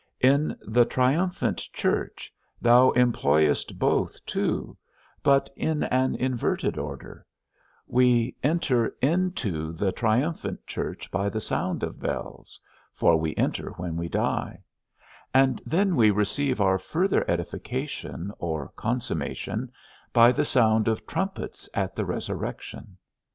In the triumphant church, thou employest both too, but in an inverted order; we enter into the triumphant church by the sound of bells (for we enter when we die); and then we receive our further edification, or consummation, by the sound of trumpets at the resurrection.